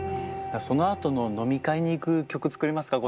そのあとの飲み会に行く曲作りますか？